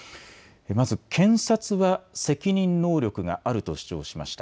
まず検察は責任能力があると主張しました。